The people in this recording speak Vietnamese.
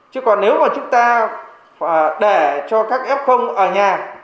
chứ còn nếu mà chúng ta để cho các f ở nhà